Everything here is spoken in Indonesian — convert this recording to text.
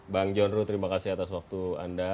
bang johnru terima kasih atas waktu anda